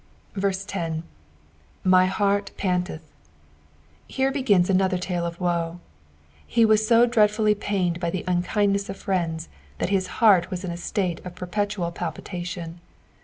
10. " Mj/ heart patiUth." Here be^s aoother tale of woe. He was so dread fallj pained bf the uDlcindnegs of fneada, that hia heart was in a state ot per petual pUpitatioD.